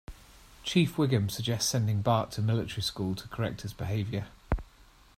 Chief Wiggum suggests sending Bart to military school to correct his behavior.